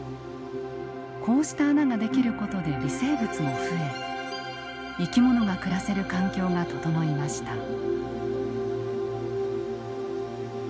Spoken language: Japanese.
こうした穴が出来ることで微生物も増え生き物が暮らせる環境が整いました。